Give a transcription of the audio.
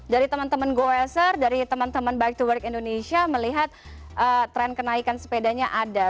dari teman teman goeser dari teman teman bike to work indonesia melihat tren kenaikan sepedanya ada